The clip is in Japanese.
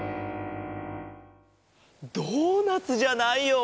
ドーナツじゃないよ。